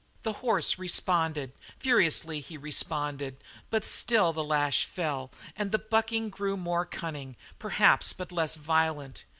The horse responded, furiously he responded, but still the lash fell, and the bucking grew more cunning, perhaps, but less violent.